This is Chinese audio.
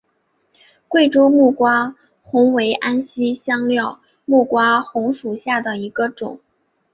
贵州木瓜红为安息香科木瓜红属下的一个种。